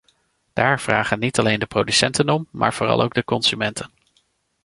Daar vragen niet alleen de producenten om maar vooral ook de consumenten.